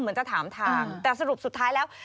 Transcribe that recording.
เหมือนจะถามทางแต่สรุปสุดท้ายแล้ว